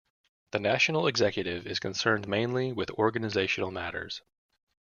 The National Executive is concerned mainly with organisational matters.